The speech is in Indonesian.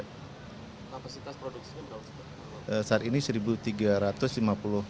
kapasitas produksinya berapa